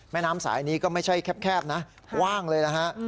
แม่น้ำสายนี้ก็ไม่ใช่แคบนะว่างเลยนะฮะ